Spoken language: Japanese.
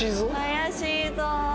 怪しいぞ。